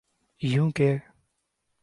you کے